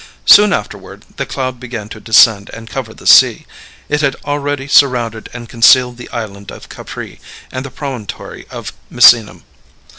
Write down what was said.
Soon afterward the cloud began to descend and cover the sea. It had already surrounded and concealed the island of Capri and the promontory of Misenum.